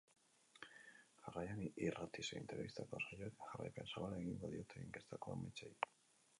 Jarraian, irrati zein telebistako saioek jarraipen zabala egingo diote inkestako emaitzei.